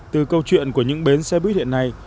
từ câu chuyện của những bến xe buýt hiện nay